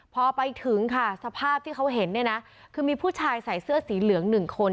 พอไปถึงค่ะสภาพที่เขาเห็นเนี่ยนะคือมีผู้ชายใส่เสื้อสีเหลืองหนึ่งคน